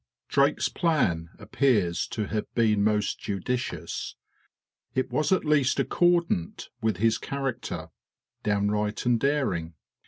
Drake's plan appears to have been most judicious: it was at least accordant with his character, downright and daring.